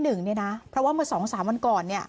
เพราะว่าเมื่อ๒๓วันก่อน